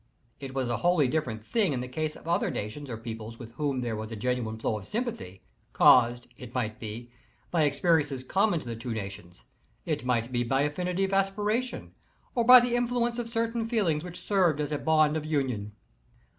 It was a wholly different thing in the case of other nations or peoples with whom there was a genuine flow of sympathy, caused, it might be, by ¬´s experiences common to the two nations, it might be by affinity of aspiration, or by the influence of certain feelings which served as a bond of union.